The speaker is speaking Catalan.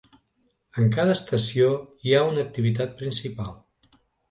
En cada estació hi ha una activitat principal.